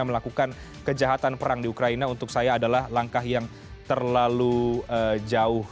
melakukan kejahatan perang di ukraina untuk saya adalah langkah yang terlalu jauh